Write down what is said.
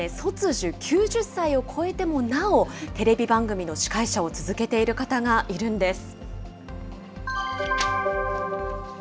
実はお隣、韓国には、卒寿・９０歳を超えてもなおテレビ番組の司会者を続けている方がいるんです。